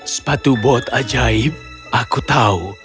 sepatu bot ajaib aku tahu